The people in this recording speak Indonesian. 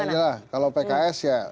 ini aja lah kalau pks ya